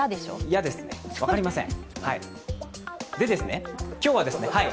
嫌ですね、分かりません。